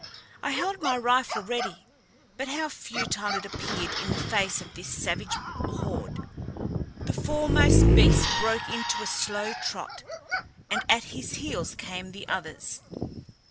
I held my rifle ready, but how futile it appeared in the face of this savage horde. The foremost beast broke into a slow trot, and at his heels came the others.